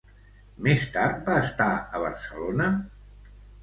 Més tard, va estar a Barcelona?